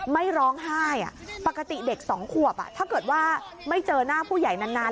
ไม่ร้องไห้ปกติเด็กสองขวบถ้าเกิดว่าไม่เจอหน้าผู้ใหญ่นาน